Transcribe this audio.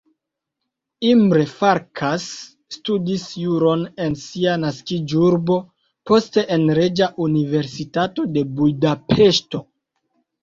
Imre Farkas studis juron en sia naskiĝurbo, poste en Reĝa Universitato de Budapeŝto.